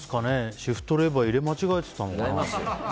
シフトレバー入れ間違えてたんですかね。